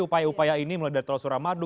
upaya upaya ini mulai dari tol suramadu